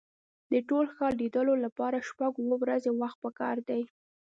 د ټول ښار لیدلو لپاره شپږ اوه ورځې وخت په کار دی.